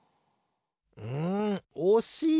うんおしい！